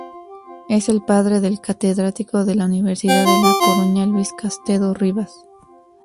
Es el padre del catedrático de la Universidad de La Coruña Luis Castedo Ribas.